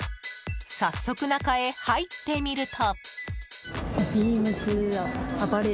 早速、中へ入ってみると。